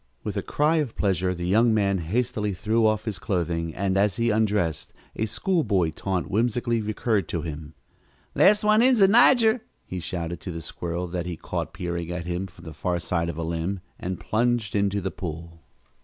With a cry of pleasure the young man hastily threw off his clothing, and, as he undressed, a school boy taunt whimsically recurred to him. "Last one in's a nigger!" he shouted to the squirrel that he caught peering at him from the far side of a limb, and plunged into the pool.